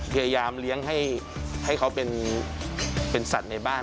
พยายามเลี้ยงให้เขาเป็นสัตว์ในบ้าน